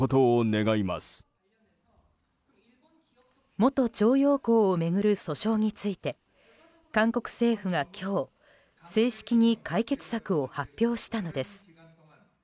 元徴用工を巡る訴訟について韓国政府が今日正式に解決策を発表したのです。